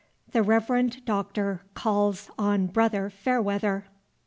THE REVEREND DOCTOR CALLS ON BROTHER FAIRWEATHER.